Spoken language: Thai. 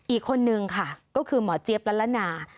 อีกคนนึงค่ะก็คือหมอเจี๊ยบละละนา